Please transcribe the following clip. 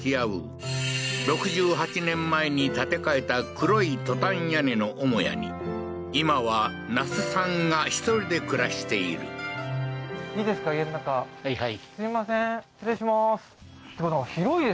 ６８年前に建て替えた黒いトタン屋根の母屋に今は那須さんが１人で暮らしているよいしょよいしょははは